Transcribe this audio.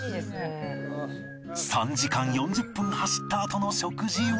３時間４０分走ったあとの食事は